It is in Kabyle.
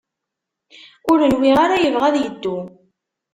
Ur nwiɣ ara yebɣa ad yeddu.